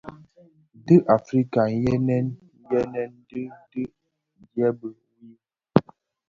Di Afrika nghëghèn nyi di ndieba wui.